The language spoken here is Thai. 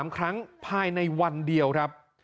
๓ครั้งภายในวันเดียวครับ